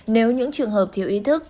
nếu những trường hợp thiếu ý thức